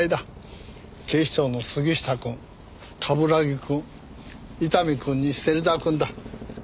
警視庁の杉下くん冠城くん伊丹くんに芹沢くんだ。